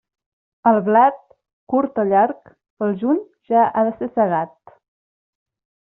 El blat, curt o llarg, pel juny ja ha de ser segat.